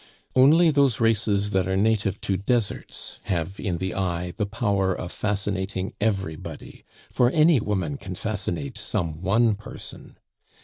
Only those races that are native to deserts have in the eye the power of fascinating everybody, for any woman can fascinate some one person.